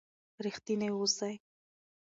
ریښتینی اوسئ.